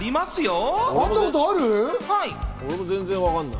俺も全然わかんない。